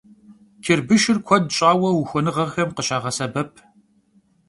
Çırbışşır kued ş'aue vuxuenığexem khışağesebep.